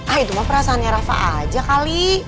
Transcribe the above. ah itu mah perasaannya rafa aja kali